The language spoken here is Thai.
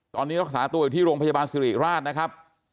ตอนนี้รักษาตัวอยู่ที่โรงพยาบาลสิริราชนะครับ